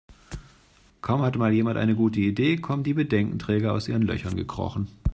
Kaum hat mal jemand eine gute Idee, kommen die Bedenkenträger aus ihren Löchern gekrochen.